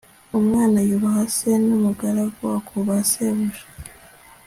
Umwana yubaha se numugaragu akubaha shebuja